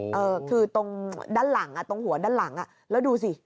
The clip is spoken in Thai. โอ้โหคือตรงด้านหลังตรงหัวด้านหลังแล้วดูสิ